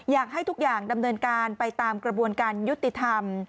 อยากให้ทุกอย่างดำเนินการไปตามกระบวนการยุติธรรม